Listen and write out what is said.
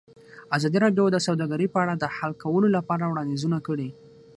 ازادي راډیو د سوداګري په اړه د حل کولو لپاره وړاندیزونه کړي.